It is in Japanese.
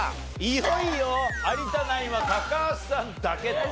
いよいよ有田ナインは高橋さんだけと。